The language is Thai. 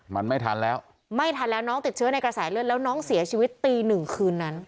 มันไม่ทันแล้วไม่ทันแล้วน้องติดเชื้อในกระแสเลือดแล้วน้องเสียชีวิตตีหนึ่งคืนนั้น